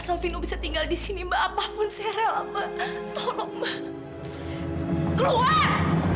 sampai jumpa di video selanjutnya